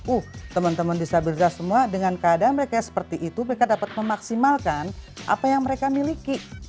uh teman teman disabilitas semua dengan keadaan mereka seperti itu mereka dapat memaksimalkan apa yang mereka miliki